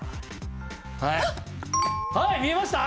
はい見えました？